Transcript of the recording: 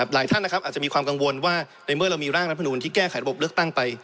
หลายท่านอาจจะมีความกังวลว่าในเมื่อเรามีร่างรัฐมนุนที่แก้ไขระบบเลือกตั้งไป